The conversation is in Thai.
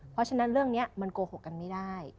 เพราะฉะนั้นเรื่องนี้มันโกหกกันไม่ได้